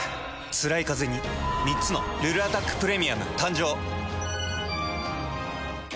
つらいカゼに３つの「ルルアタックプレミアム」誕生。